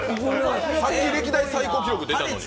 さっき歴代最高出たのに？